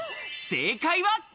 正解は。